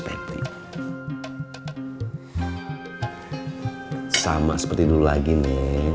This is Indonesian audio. kalau bapak punya warung